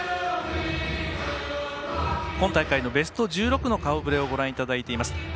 今大会のベスト１６の顔ぶれをご覧いただきます。